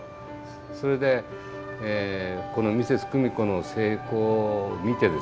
それでこのミセスクミコの成功を見てですね